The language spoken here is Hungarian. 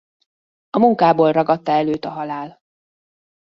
A munkából ragadta el őt a halál.